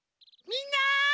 みんな！